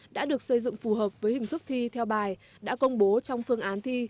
đã được xây dựng phù hợp với hình thức thi theo bài đã công bố trong phương án thi